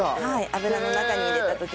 油の中に入れた時に。